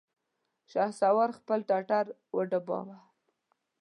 شهسوار خپل ټټر وډباوه!